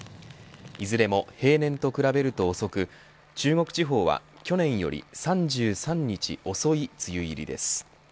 いずれも平年と比べると遅く中国地方は去年より３３日遅い梅雨入りです。